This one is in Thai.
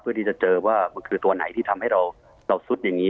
เพื่อที่จะเจอว่ามันคือตัวไหนที่ทำให้เราซุดอย่างนี้